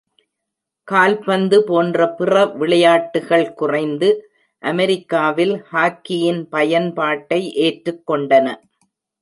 கால்பந்து போன்ற பிற விளையாட்டுகள் குறைந்தது அமெரிக்காவில், ஹாக்கியின் பயன்பாட்டை ஏற்றுக்கொண்டன.